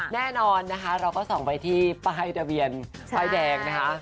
แน่นอนนะคะเราก็ส่องไปที่ป้ายทะเบียนป้ายแดงนะคะ